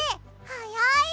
はやい！